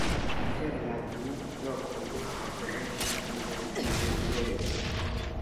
Inter la du lokoj estas rekta intervidebleco.